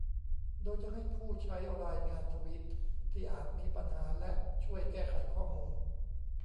โดยจะให้ผู้ใช้รายงานทวีตที่อาจมีปัญหาและช่วยแก้ไขข้อมูล